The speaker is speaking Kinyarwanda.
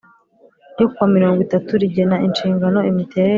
ryo ku wa mirongo itatu rigena inshingano imiterere